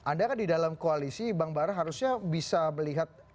anda kan di dalam koalisi bang baran harusnya bisa melihat klaim klaim itu